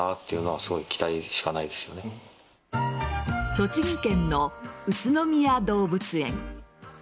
栃木県の宇都宮動物園。